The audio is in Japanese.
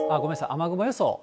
雨雲予想。